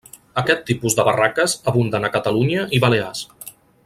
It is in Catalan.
Aquest tipus de barraques abunden a Catalunya i Balears.